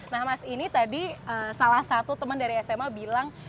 nah mas ini tadi salah satu teman dari sma bilang